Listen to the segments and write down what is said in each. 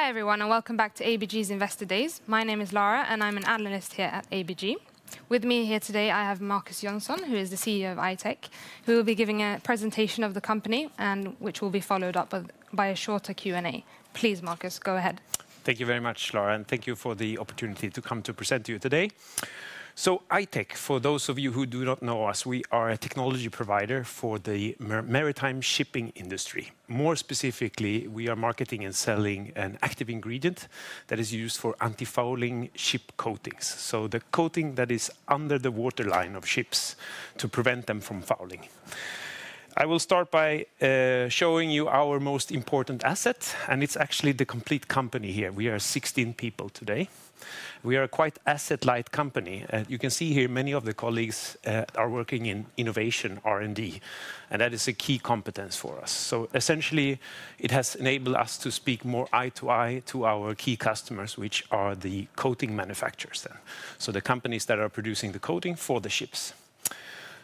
Hi everyone, and welcome back to ABG's Investor Days. My name is Lara, and I'm an analyst here at ABG. With me here today, I have Markus Jonsson, who is the CEO of I-Tech, who will be giving a presentation of the company, which will be followed up by a shorter Q&A. Please, Markus, go ahead. Thank you very much, Lara, and thank you for the opportunity to come to present to you today. So I-Tech, for those of you who do not know us, we are a technology provider for the maritime shipping industry. More specifically, we are marketing and selling an active ingredient that is used for anti-fouling ship coatings, so the coating that is under the waterline of ships to prevent them from fouling. I will start by showing you our most important asset, and it's actually the complete company here. We are 16 people today. We are a quite asset-light company. You can see here many of the colleagues are working in innovation R&D, and that is a key competence for us. So essentially, it has enabled us to speak more eye-to-eye to our key customers, which are the coating manufacturers then, so the companies that are producing the coating for the ships.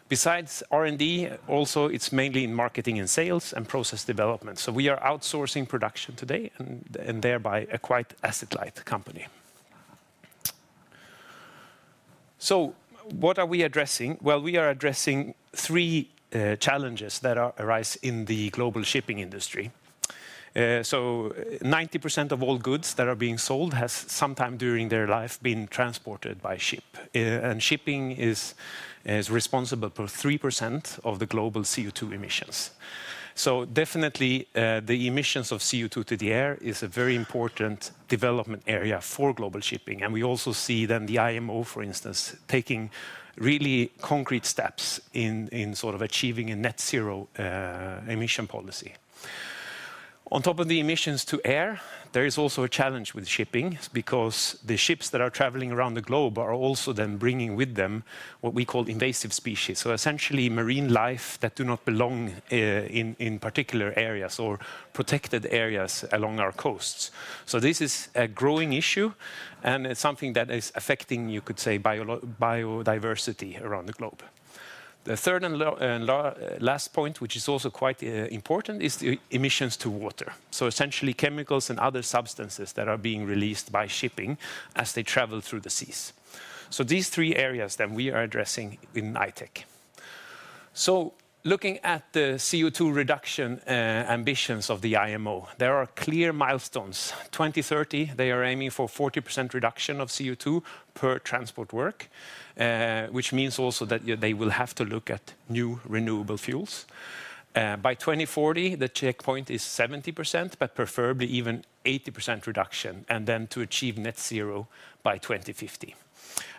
Besides R&D, also, it's mainly in marketing and sales and process development. So we are outsourcing production today and thereby a quite asset-light company. So what are we addressing? Well, we are addressing three challenges that arise in the global shipping industry. So 90% of all goods that are being sold has sometime during their life been transported by ship, and shipping is responsible for 3% of the global CO2 emissions. So definitely, the emissions of CO2 to the air is a very important development area for global shipping, and we also see then the IMO, for instance, taking really concrete steps in sort of achieving a net-zero emission policy. On top of the emissions to air, there is also a challenge with shipping because the ships that are traveling around the globe are also then bringing with them what we call invasive species, so essentially marine life that do not belong in particular areas or protected areas along our coasts. So this is a growing issue, and it's something that is affecting, you could say, biodiversity around the globe. The third and last point, which is also quite important, is the emissions to water, so essentially chemicals and other substances that are being released by shipping as they travel through the seas. So these three areas then we are addressing in I-Tech. So looking at the CO2 reduction ambitions of the IMO, there are clear milestones. 2030, they are aiming for a 40% reduction of CO2 per transport work, which means also that they will have to look at new renewable fuels. By 2040, the checkpoint is 70%, but preferably even 80% reduction, and then to achieve net-zero by 2050,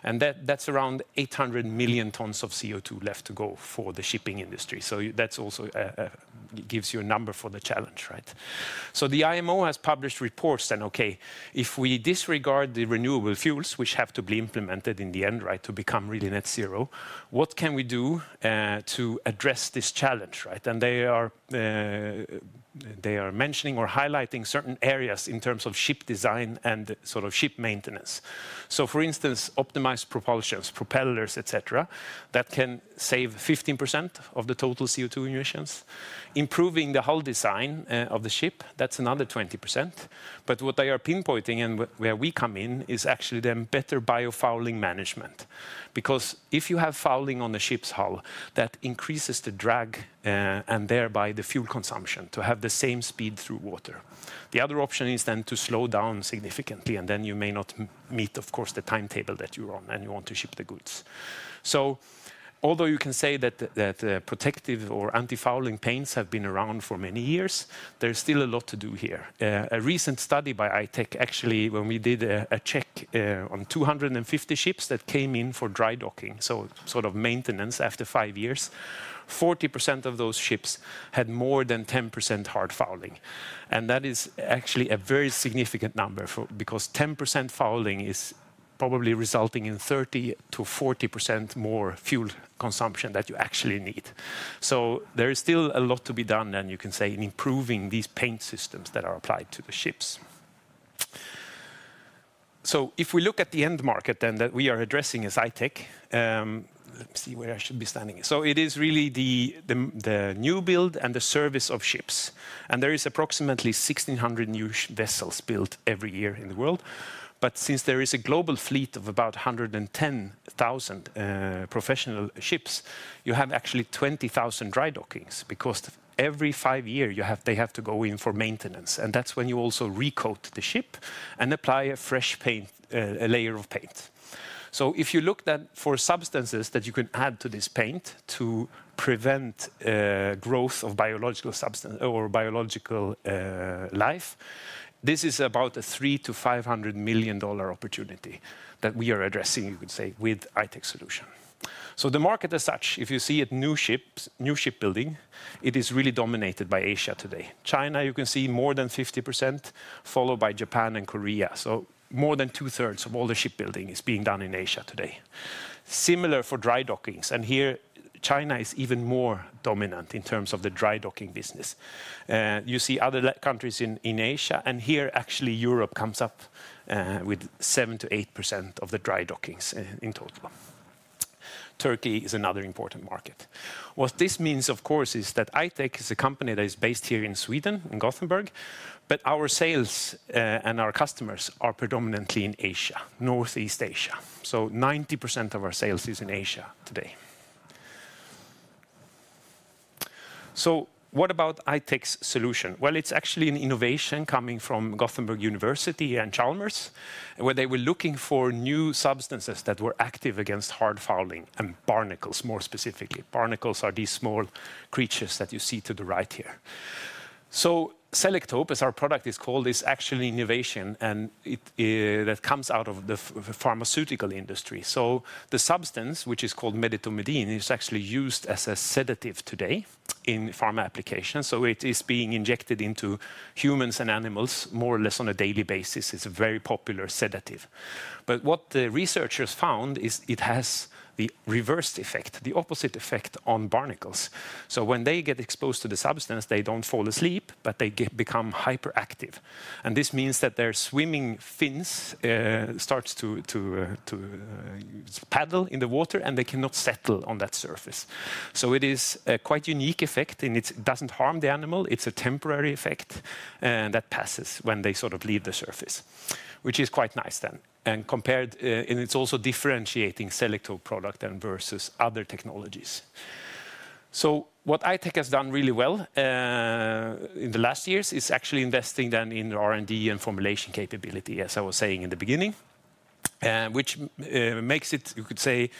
and that's around 800 million tons of CO2 left to go for the shipping industry, so that also gives you a number for the challenge, right? So the IMO has published reports then, okay, if we disregard the renewable fuels, which have to be implemented in the end, right, to become really net-zero, what can we do to address this challenge, right? And they are mentioning or highlighting certain areas in terms of ship design and sort of ship maintenance, so for instance, optimized propulsions, propellers, etc., that can save 15% of the total CO2 emissions. Improving the hull design of the ship, that's another 20%. What they are pinpointing and where we come in is actually then better biofouling management because if you have fouling on the ship's hull, that increases the drag and thereby the fuel consumption to have the same speed through water. The other option is then to slow down significantly, and then you may not meet, of course, the timetable that you're on and you want to ship the goods. So although you can say that protective or anti-fouling paints have been around for many years, there's still a lot to do here. A recent study by I-Tech, actually, when we did a check on 250 ships that came in for dry docking, so sort of maintenance after five years, 40% of those ships had more than 10% hard fouling. That is actually a very significant number because 10% fouling is probably resulting in 30%-40% more fuel consumption that you actually need. There is still a lot to be done then, you can say, in improving these paint systems that are applied to the ships. If we look at the end market then that we are addressing as I-Tech, let me see where I should be standing. It is really the new build and the service of ships. There is approximately 1,600 new vessels built every year in the world. Since there is a global fleet of about 110,000 professional ships, you have actually 20,000 dry dockings because every five year they have to go in for maintenance. That's when you also recoat the ship and apply a fresh paint, a layer of paint. So if you look then for substances that you can add to this paint to prevent growth of biological substances or biological life, this is about a $300-$500 million opportunity that we are addressing, you could say, with I-Tech's solution. So the market as such, if you see it, new ship building, it is really dominated by Asia today. China, you can see more than 50%, followed by Japan and Korea. So more than two-thirds of all the shipbuilding is being done in Asia today. Similar for dry dockings, and here China is even more dominant in terms of the dry docking business. You see other countries in Asia, and here actually Europe comes up with 7%-8% of the dry dockings in total. Turkey is another important market. What this means, of course, is that I-Tech is a company that is based here in Sweden, in Gothenburg, but our sales and our customers are predominantly in Asia, Northeast Asia. So 90% of our sales is in Asia today. So what about I-Tech's solution? Well, it's actually an innovation coming from University of Gothenburg and Chalmers, where they were looking for new substances that were active against hard fouling and barnacles, more specifically. Barnacles are these small creatures that you see to the right here. So Selektope, as our product is called, is actually an innovation that comes out of the pharmaceutical industry. So the substance, which is called Medetomidine, is actually used as a sedative today in pharma applications. So it is being injected into humans and animals more or less on a daily basis. It's a very popular sedative. But what the researchers found is it has the reversed effect, the opposite effect on barnacles. So when they get exposed to the substance, they don't fall asleep, but they become hyperactive. And this means that their swimming fins start to paddle in the water, and they cannot settle on that surface. So it is a quite unique effect, and it doesn't harm the animal. It's a temporary effect that passes when they sort of leave the surface, which is quite nice then. And it's also differentiating Selektope product then versus other technologies. So what I-Tech has done really well in the last years is actually investing then in R&D and formulation capability, as I was saying in the beginning, which makes it, you could say,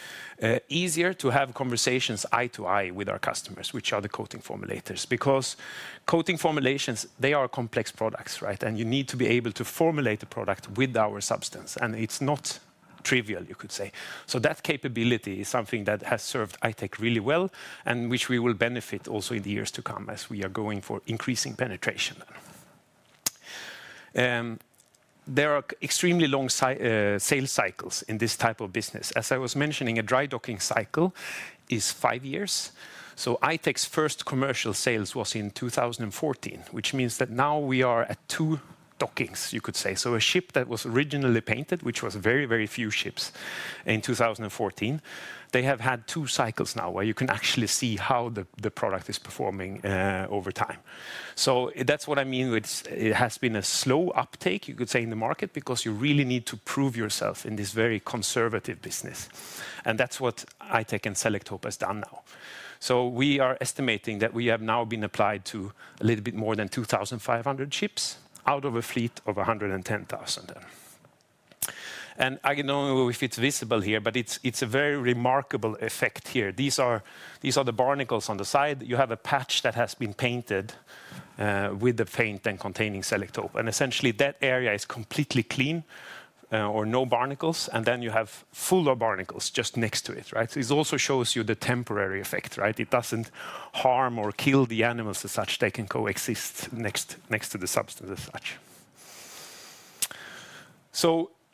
easier to have conversations eye-to-eye with our customers, which are the coating formulators, because coating formulations, they are complex products, right? And you need to be able to formulate a product with our substance, and it's not trivial, you could say. So that capability is something that has served I-Tech really well and which we will benefit also in the years to come as we are going for increasing penetration. There are extremely long sales cycles in this type of business. As I was mentioning, a dry docking cycle is five years. So I-Tech's first commercial sales was in 2014, which means that now we are at two dockings, you could say. So a ship that was originally painted, which was very, very few ships in 2014, they have had two cycles now where you can actually see how the product is performing over time. That's what I mean with it has been a slow uptake, you could say, in the market because you really need to prove yourself in this very conservative business. That's what I-Tech and Selektope has done now. We are estimating that we have now been applied to a little bit more than 2,500 ships out of a fleet of 110,000. I don't know if it's visible here, but it's a very remarkable effect here. These are the barnacles on the side. You have a patch that has been painted with the paint containing Selektope, and essentially that area is completely clean or no barnacles, and then you have full of barnacles just next to it, right? It also shows you the temporary effect, right? It doesn't harm or kill the animals as such. They can coexist next to the substance as such.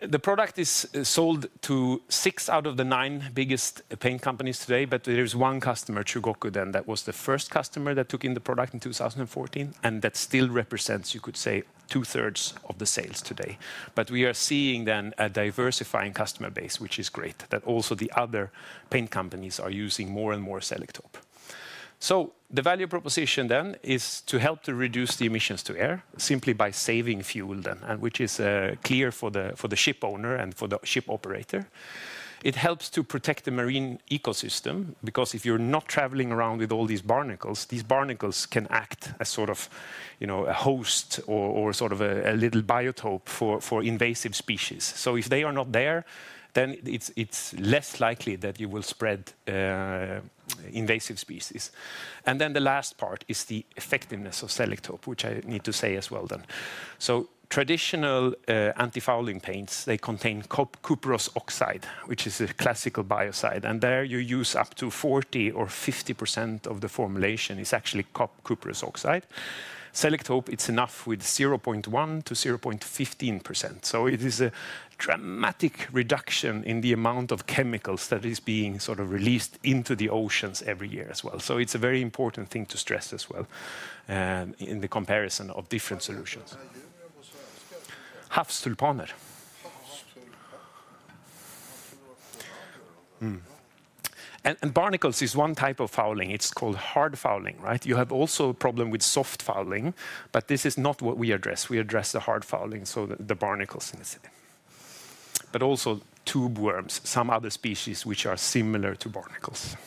The product is sold to six out of the nine biggest paint companies today, but there is one customer, Chugoku, then, that was the first customer that took in the product in 2014, and that still represents, you could say, two-thirds of the sales today. But we are seeing then a diversifying customer base, which is great, that also the other paint companies are using more and more Selektope. The value proposition then is to help to reduce the emissions to air simply by saving fuel then, which is clear for the ship owner and for the ship operator. It helps to protect the marine ecosystem because if you're not traveling around with all these barnacles, these barnacles can act as sort of a host or sort of a little biotope for invasive species. So if they are not there, then it's less likely that you will spread invasive species. And then the last part is the effectiveness of Selektope, which I need to say as well then. So traditional anti-fouling paints, they contain copper cuprous oxide, which is a classical biocide, and there you use up to 40% or 50% of the formulation is actually copper cuprous oxide. Selektope, it's enough with 0.1% to 0.15%. So it is a dramatic reduction in the amount of chemicals that is being sort of released into the oceans every year as well. So it's a very important thing to stress as well in the comparison of different solutions. Havstulpaner. And barnacles is one type of fouling. It's called hard fouling, right? You have also a problem with soft fouling, but this is not what we address. We address the hard fouling, so the barnacles in the sea, but also tube worms, some other species which are similar to barnacles.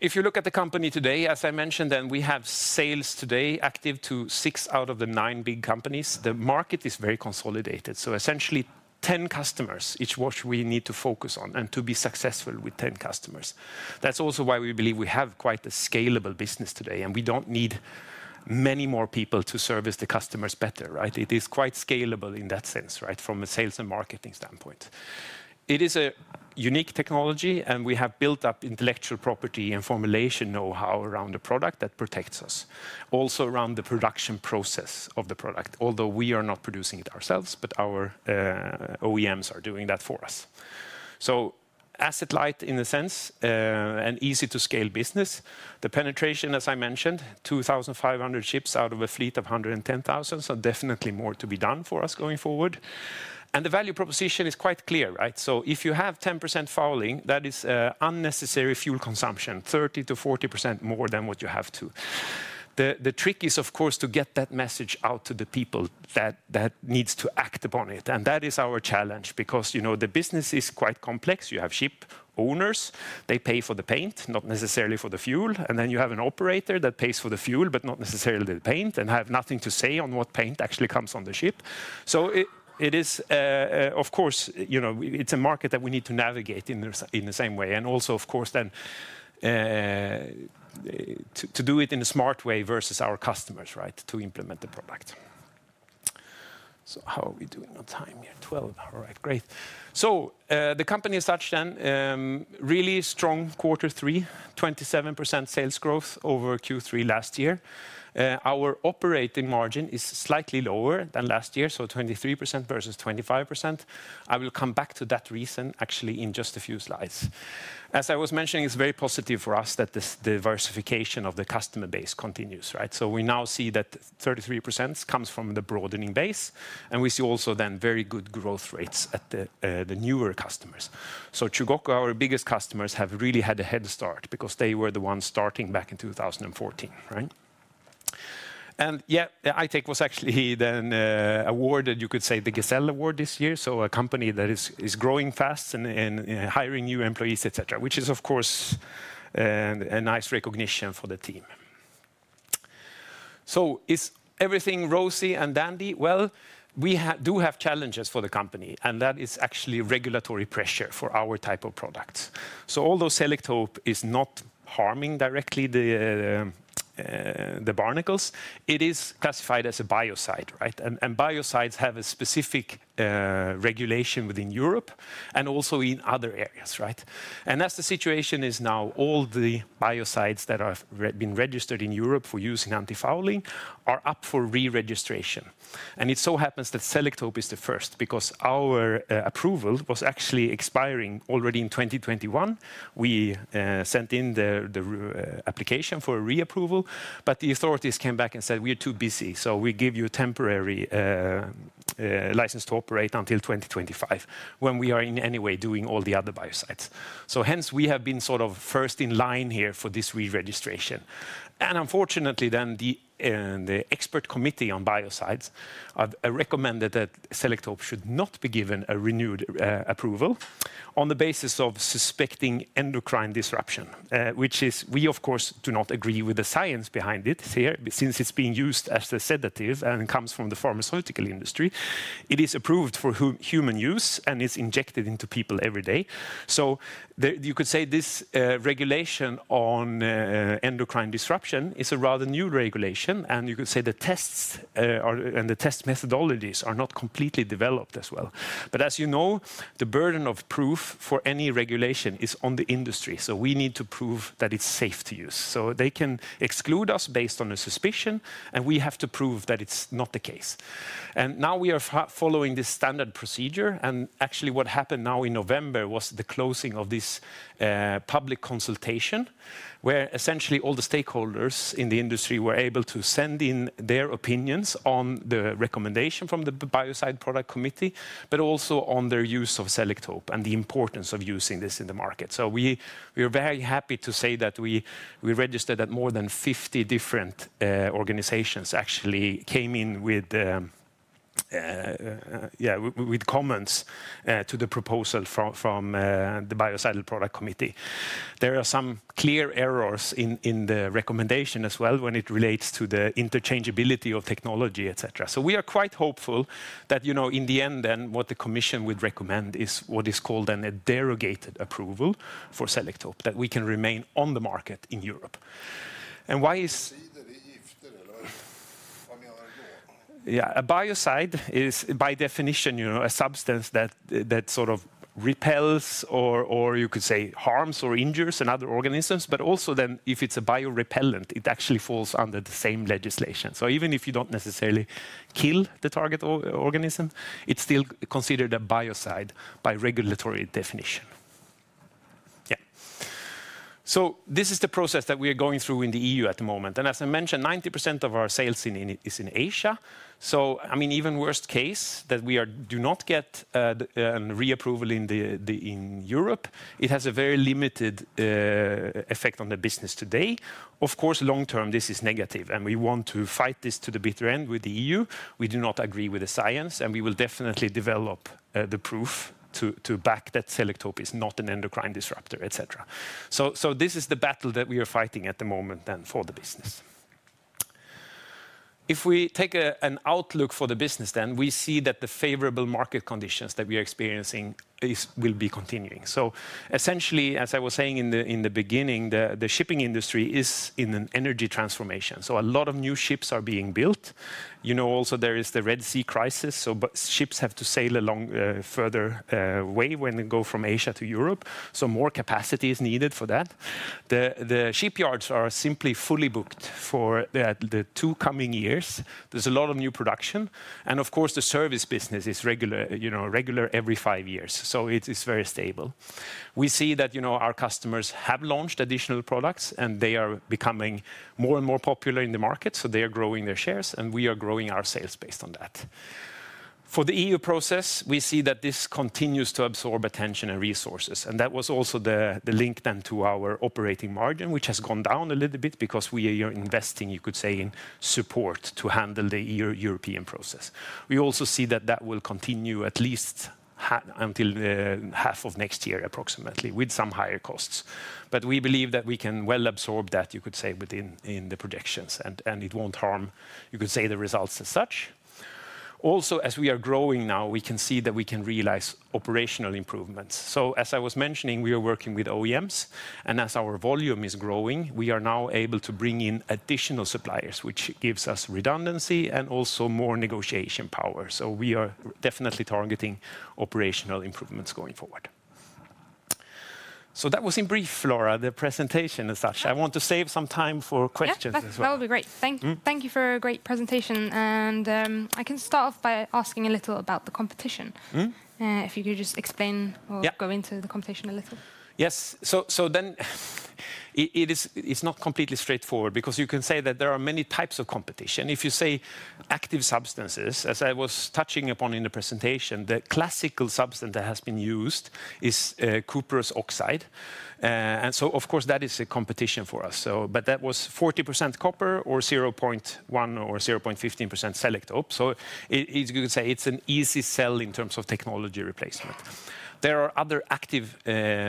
If you look at the company today, as I mentioned then, we have sales today active to six out of the nine big companies. The market is very consolidated. Essentially 10 customers is what we need to focus on and to be successful with 10 customers. That's also why we believe we have quite a scalable business today, and we don't need many more people to service the customers better, right? It is quite scalable in that sense, right, from a sales and marketing standpoint. It is a unique technology, and we have built up intellectual property and formulation know-how around the product that protects us, also around the production process of the product, although we are not producing it ourselves, but our OEMs are doing that for us. So asset light in a sense and easy to scale business. The penetration, as I mentioned, 2,500 ships out of a fleet of 110,000, so definitely more to be done for us going forward. And the value proposition is quite clear, right? So if you have 10% fouling, that is unnecessary fuel consumption, 30%-40% more than what you have to. The trick is, of course, to get that message out to the people that needs to act upon it, and that is our challenge because the business is quite complex. You have ship owners, they pay for the paint, not necessarily for the fuel, and then you have an operator that pays for the fuel, but not necessarily the paint and have nothing to say on what paint actually comes on the ship. So it is, of course, it's a market that we need to navigate in the same way and also, of course, then to do it in a smart way versus our customers, right, to implement the product. So how are we doing on time here? 12, all right, great. So the company as such then, really strong quarter three, 27% sales growth over Q3 last year. Our operating margin is slightly lower than last year, so 23% versus 25%. I will come back to that reason actually in just a few slides. As I was mentioning, it's very positive for us that the diversification of the customer base continues, right? So we now see that 33% comes from the broadening base, and we see also then very good growth rates at the newer customers. So Chugoku, our biggest customers, have really had a head start because they were the ones starting back in 2014, right? And yeah, I-Tech was actually then awarded, you could say, the Gazelle Award this year, so a company that is growing fast and hiring new employees, etc., which is, of course, a nice recognition for the team. So is everything rosy and dandy? Well, we do have challenges for the company, and that is actually regulatory pressure for our type of products. So although Selektope is not harming directly the barnacles, it is classified as a biocide, right? Biocides have a specific regulation within Europe and also in other areas, right? As the situation is now, all the biocides that have been registered in Europe for use in anti-fouling are up for re-registration. It so happens that Selektope is the first because our approval was actually expiring already in 2021. We sent in the application for re-approval, but the authorities came back and said, "We're too busy, so we give you a temporary license to operate until 2025 when we are in any way doing all the other biocides." Hence we have been sort of first in line here for this re-registration. Unfortunately then, the expert committee on biocides recommended that Selektope should not be given a renewed approval on the basis of suspecting endocrine disruption, which is, we, of course, do not agree with the science behind it here since it's being used as a sedative and comes from the pharmaceutical industry. It is approved for human use and is injected into people every day. So you could say this regulation on endocrine disruption is a rather new regulation, and you could say the tests and the test methodologies are not completely developed as well. But as you know, the burden of proof for any regulation is on the industry, so we need to prove that it's safe to use. So they can exclude us based on a suspicion, and we have to prove that it's not the case. Now we are following this standard procedure, and actually what happened now in November was the closing of this public consultation where essentially all the stakeholders in the industry were able to send in their opinions on the recommendation from the Biocidal Products Committee, but also on their use of Selektope and the importance of using this in the market. We are very happy to say that we registered that more than 50 different organizations actually came in with, yeah, with comments to the proposal from the Biocidal Products Committee. There are some clear errors in the recommendation as well when it relates to the interchangeability of technology, etc. We are quite hopeful that in the end then, what the commission would recommend is what is called then a derogated approval for Selektope that we can remain on the market in Europe. Why is. Det är gifter eller vad menar du då? Yeah, a biocide is by definition a substance that sort of repels or you could say harms or injures other organisms, but also then if it's a biorepellent, it actually falls under the same legislation. So even if you don't necessarily kill the target organism, it's still considered a biocide by regulatory definition. Yeah. So this is the process that we are going through in the EU at the moment. And as I mentioned, 90% of our sales is in Asia. So I mean, even worst case that we do not get a re-approval in Europe, it has a very limited effect on the business today. Of course, long term, this is negative, and we want to fight this to the bitter end with the EU. We do not agree with the science, and we will definitely develop the proof to back that Selektope is not an endocrine disruptor, etc. So this is the battle that we are fighting at the moment then for the business. If we take an outlook for the business then, we see that the favorable market conditions that we are experiencing will be continuing. So essentially, as I was saying in the beginning, the shipping industry is in an energy transformation. So a lot of new ships are being built. You know, also there is the Red Sea crisis, so ships have to sail a longer way when they go from Asia to Europe. So more capacity is needed for that. The shipyards are simply fully booked for the two coming years. There's a lot of new production, and of course, the service business is regular every five years. So it is very stable. We see that our customers have launched additional products, and they are becoming more and more popular in the market. So they are growing their shares, and we are growing our sales based on that. For the EU process, we see that this continues to absorb attention and resources, and that was also the link then to our operating margin, which has gone down a little bit because we are investing, you could say, in support to handle the European process. We also see that that will continue at least until half of next year approximately with some higher costs. But we believe that we can well absorb that, you could say, within the projections, and it won't harm, you could say, the results as such. Also, as we are growing now, we can see that we can realize operational improvements. As I was mentioning, we are working with OEMs, and as our volume is growing, we are now able to bring in additional suppliers, which gives us redundancy and also more negotiation power. We are definitely targeting operational improvements going forward. That was in brief, Lara, the presentation as such. I want to save some time for questions as well. That would be great. Thank you for a great presentation, and I can start off by asking a little about the competition. If you could just explain or go into the competition a little? Yes, so then it is not completely straightforward because you can say that there are many types of competition. If you say active substances, as I was touching upon in the presentation, the classical substance that has been used is cuprous oxide. And so, of course, that is a competition for us. But that was 40% copper or 0.1% or 0.15% Selektope. So you could say it's an easy sell in terms of technology replacement. There are other active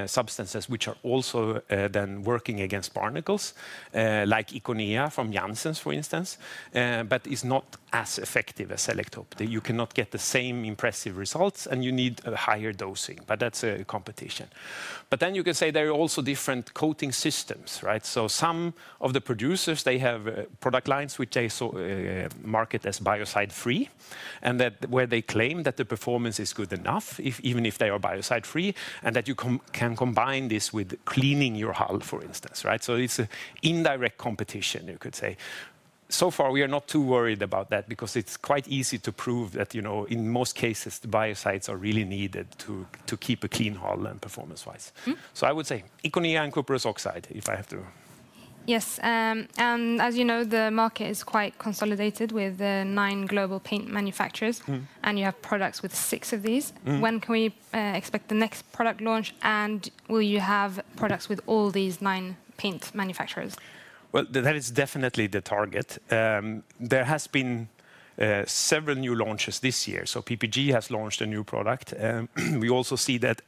substances which are also then working against barnacles, like Econea from Janssen, for instance, but is not as effective as Selektope. You cannot get the same impressive results, and you need a higher dosing, but that's a competition. But then you can say there are also different coating systems, right? So some of the producers, they have product lines which they market as biocide-free, and that where they claim that the performance is good enough, even if they are biocide-free, and that you can combine this with cleaning your hull, for instance, right? So it's an indirect competition, you could say. So far, we are not too worried about that because it's quite easy to prove that in most cases, the biocides are really needed to keep a clean hull and performance-wise. So I would say Econea and cuprous oxide, if I have to. Yes, and as you know, the market is quite consolidated with the nine global paint manufacturers, and you have products with six of these. When can we expect the next product launch, and will you have products with all these nine paint manufacturers? Well, that is definitely the target. There have been several new launches this year. So PPG has launched a new product. We also see that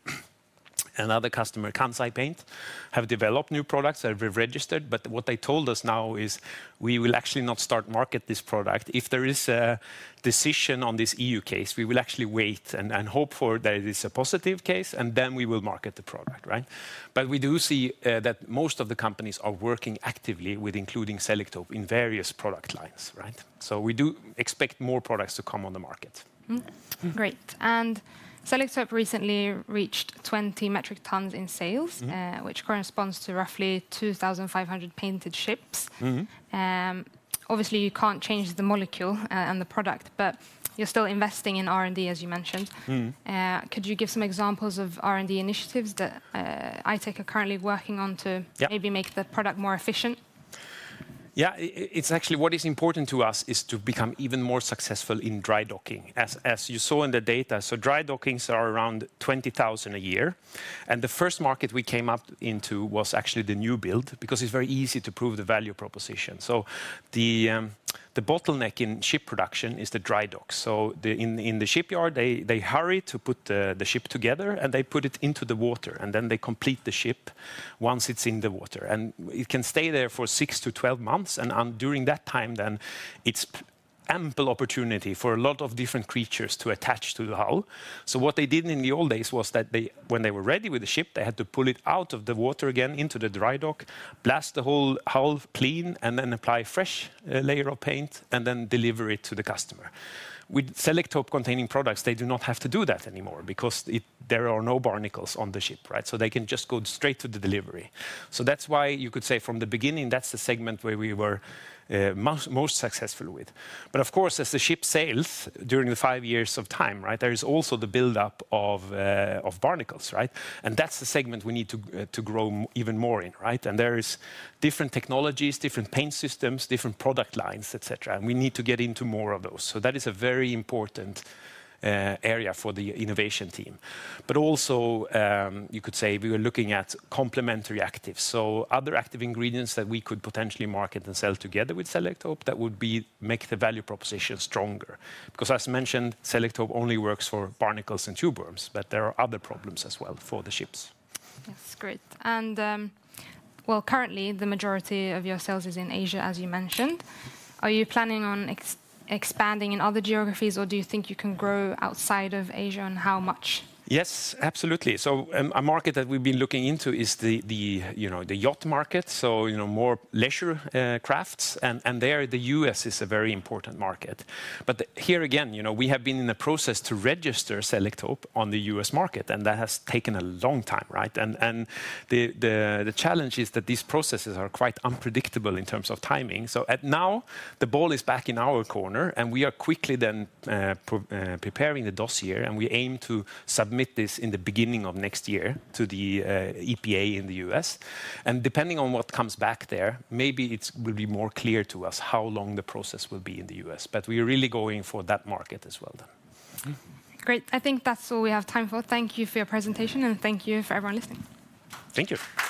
another customer, Kansai Paint, have developed new products that have been registered, but what they told us now is we will actually not start marketing this product. If there is a decision on this EU case, we will actually wait and hope for that it is a positive case, and then we will market the product, right? But we do see that most of the companies are working actively with including Selektope in various product lines, right? So we do expect more products to come on the market. Great. And Selektope recently reached 20 metric tons in sales, which corresponds to roughly 2,500 painted ships. Obviously, you can't change the molecule and the product, but you're still investing in R&D, as you mentioned. Could you give some examples of R&D initiatives that I-Tech are currently working on to maybe make the product more efficient? Yeah, it's actually what is important to us is to become even more successful in dry docking, as you saw in the data. Dry dockings are around 20,000 a year, and the first market we came up into was actually the new build because it's very easy to prove the value proposition. The bottleneck in ship production is the dry dock. In the shipyard, they hurry to put the ship together, and they put it into the water, and then they complete the ship once it's in the water. It can stay there for six to 12 months, and during that time, then it's ample opportunity for a lot of different creatures to attach to the hull. What they did in the old days was that when they were ready with the ship, they had to pull it out of the water again into the dry dock, blast the whole hull clean, and then apply a fresh layer of paint, and then deliver it to the customer. With Selektope-containing products, they do not have to do that anymore because there are no barnacles on the ship, right? So they can just go straight to the delivery. So that's why you could say from the beginning, that's the segment where we were most successful with. But of course, as the ship sails during the five years of time, right, there is also the buildup of barnacles, right? And that's the segment we need to grow even more in, right? And there are different technologies, different paint systems, different product lines, etc., and we need to get into more of those. So that is a very important area for the innovation team. But also, you could say we were looking at complementary actives, so other active ingredients that we could potentially market and sell together with Selektope that would make the value proposition stronger. Because as mentioned, Selektope only works for barnacles and tube worms, but there are other problems as well for the ships. That's great. Currently, the majority of your sales is in Asia, as you mentioned. Are you planning on expanding in other geographies, or do you think you can grow outside of Asia and how much? Yes, absolutely. A market that we've been looking into is the yacht market, so more leisure crafts, and there the US is a very important market. But here again, we have been in the process to register Selektope on the US market, and that has taken a long time, right? The challenge is that these processes are quite unpredictable in terms of timing. So now the ball is back in our corner, and we are quickly then preparing the dossier, and we aim to submit this in the beginning of next year to the EPA in the U.S. And depending on what comes back there, maybe it will be more clear to us how long the process will be in the U.S. But we are really going for that market as well then. Great. I think that's all we have time for. Thank you for your presentation, and thank you for everyone listening. Thank you.